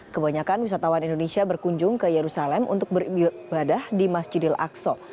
kebanyakan wisatawan indonesia berkunjung ke yerusalem untuk beribadah di masjidil aqsa